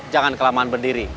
jangan kelamaan berdiri